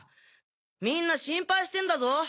みんな心配してんだぞ！